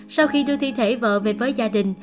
sau khi đưa thi thể vợ về với gia đình